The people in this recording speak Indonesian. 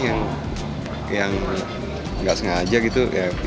yang nggak sengaja gitu